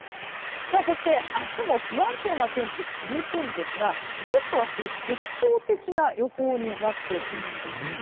そして、明日も不安定な天気が続くんですがちょっと明日、特徴的な予報になっているんです。